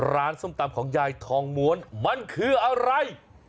ส้มตำของยายทองม้วนมันคืออะไร